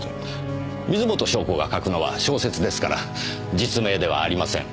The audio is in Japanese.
水元湘子が書くのは小説ですから実名ではありません。